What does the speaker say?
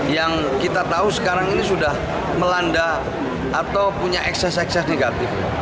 yang kita tahu sekarang ini sudah melanda atau punya ekses ekses negatif